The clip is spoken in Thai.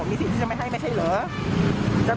มีสิทธิ์ที่จะไม่ให้ไม่ใช่เหรอ